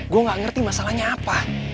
gue gak ngerti masalahnya apa